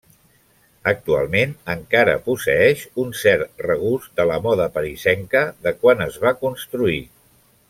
Actualment, encara posseeix un cert regust de la moda parisenca de quan es va construir.